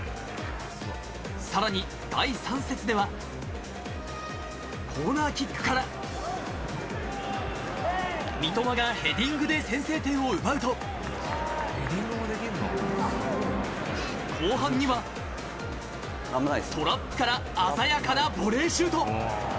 さらに第３節では、コーナーキックから、三笘がヘディングで先制点を奪うと、後半には、トラップから鮮やかなボレーシュート。